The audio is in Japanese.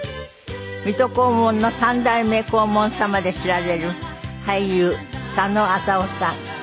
『水戸黄門』の３代目黄門様で知られる俳優佐野浅夫さん。